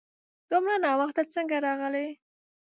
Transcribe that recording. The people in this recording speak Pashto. دومره ناوخته څنګه راغلې ؟